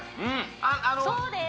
あのそうです